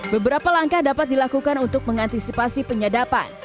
beberapa langkah dapat dilakukan untuk mengantisipasi penyadapan